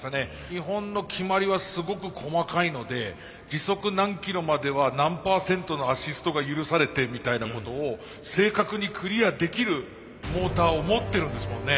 日本の決まりはすごく細かいので時速何キロまでは何％のアシストが許されてみたいなことを正確にクリアできるモーターを持ってるんですもんね。